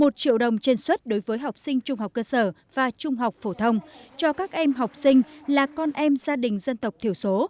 một triệu đồng trên suất đối với học sinh trung học cơ sở và trung học phổ thông cho các em học sinh là con em gia đình dân tộc thiểu số